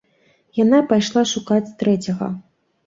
Яна пайшла шукаць трэцяга.